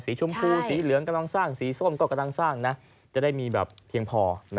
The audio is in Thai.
ชมพูสีเหลืองกำลังสร้างสีส้มก็กำลังสร้างนะจะได้มีแบบเพียงพอ